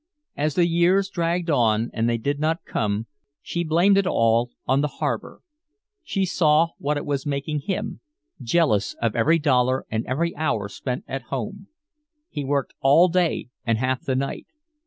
As the years dragged on and they did not come, she blamed it all on the harbor. She saw what it was making him, jealous of every dollar and every hour spent at home. He worked all day and half the night.